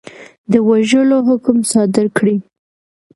د وژلو حکم صادر کړي.